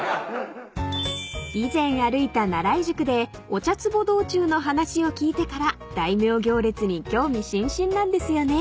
［以前歩いた奈良井宿でお茶壺道中の話を聞いてから大名行列に興味津々なんですよね］